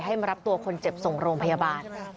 ให้มารับตัวคนเจ็บส่งโรงพยาบาล